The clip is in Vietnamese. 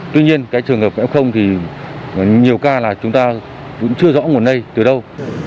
tuy nhiên cái trường hợp f thì nhiều ca là chúng ta cũng chưa rõ nguồn lây từ đâu